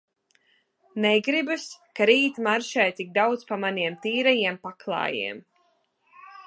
Negribas, ka rīt maršē tik daudz pa maniem tīrajiem paklājiem.